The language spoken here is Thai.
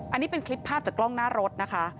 อันนี้เป็นคลิปภาพจากกล้องหน้ารถนะคะ